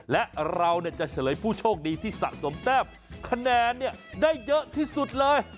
และเราจะเฉลยผู้โชคดีที่สะสมแต้มคะแนนได้เยอะที่สุดเลย